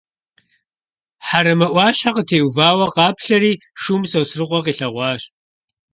Хьэрэмэ ӏуащхьэ къытеувауэ къаплъэри, шум Сосрыкъуэ къилъэгъуащ.